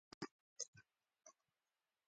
هغوی عمرې او حج سفر ته تشویق کړي.